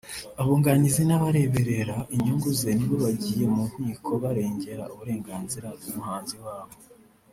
abunganizi n’abareberera inyungu ze ni bo bagiye mu nkiko barengera uburenganzira bw’umuhanzi wabo